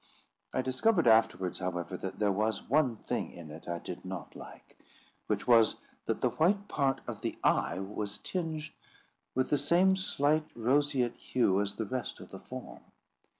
I discovered afterwards, however, that there was one thing in it I did not like; which was, that the white part of the eye was tinged with the same slight roseate hue as the rest of the form.